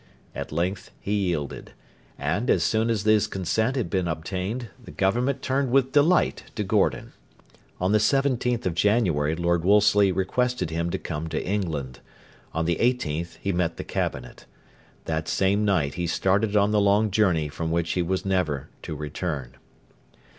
At length he yielded, and, as soon as his consent had been obtained, the government turned with delight to Gordon. On the 17th of January Lord Wolseley requested him to come to England. On the 18th he met the Cabinet. That same night he started on the long journey from which he was never to return.